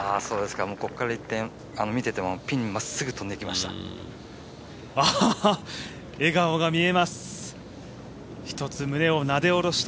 ここから見ててもピンにまっすぐとんでいきました。